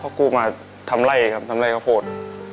พ่อกู้มาทำไรครับทำไรข้าวโพส